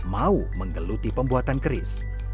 mau menggeluti pembuatan keris